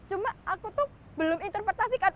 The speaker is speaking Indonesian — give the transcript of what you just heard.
cuma aku tuh belum interpretasikan